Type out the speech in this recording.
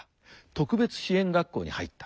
特別支援学校に入った。